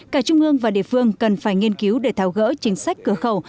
cả trung ương và địa phương cần phải nghiên cứu để tháo gỡ chính sách cửa khẩu